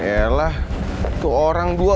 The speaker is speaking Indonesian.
yalah itu orang dua